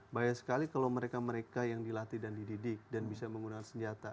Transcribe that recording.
banyak sekali kalau mereka mereka yang dilatih dan dididik dan bisa menggunakan senjata